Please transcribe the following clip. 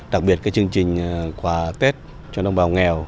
đặc biệt cái chương trình quà tết cho đồng bào nghèo